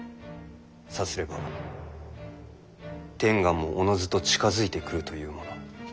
さすれば天下もおのずと近づいてくるというもの。